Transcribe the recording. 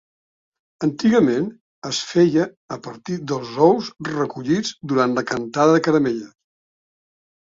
Antigament es feia a partir dels ous recollits durant la cantada de caramelles.